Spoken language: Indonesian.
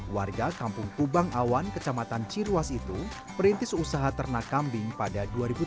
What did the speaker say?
warga kampung kubang awan kecamatan ciruas itu perintis usaha ternak kambing pada dua ribu tujuh belas